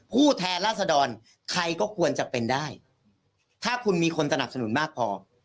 ผู้แทนราษดรใครก็ควรจะเป็นได้ถ้าคุณมีคนสนับสนุนมากพอ